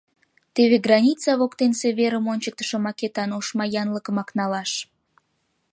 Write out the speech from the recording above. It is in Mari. Теве граница воктенсе верым ончыктышо макетан ошма янлыкымак налаш.